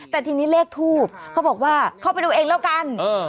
แต่ทีนี้เลขทูบเขาบอกว่าเข้าไปดูเองแล้วกัน